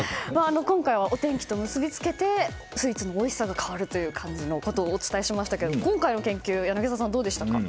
今回はお天気と結びつけてスイーツのおいしさが変わるという感じのことをお伝えしましたが今回の研究柳澤さん、どうでしたか？